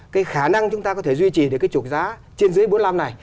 cái khả năng chúng ta có thể duy trì được cái trục giá trên dưới bốn mươi năm này